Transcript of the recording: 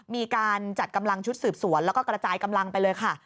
มีการจัดกำลังชุดสืบสวนแล้วก็กระจายกำลังไปเลยค่ะ